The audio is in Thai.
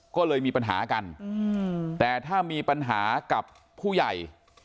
ก็เลยมีปัญหากันแต่ถ้ามีปัญหากับผู้ใหญ่